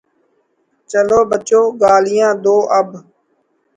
چلو بچو، گالیاں دو اب۔